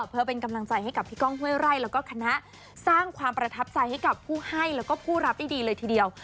เพื่อเป็นกำลังใจให้กับพี่ก้องห้วยไร่แล้วก็คณะสร้างความประทับใจให้กับผู้ให้แล้วก็ผู้รับได้ดีเลยทีเดียว